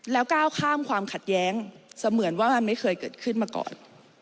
แล้วก้าวข้ามความขัดแย้งเสมือนว่ามันไม่เคยเกิดขึ้นมาก่อน